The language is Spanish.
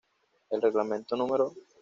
El Reglamento No.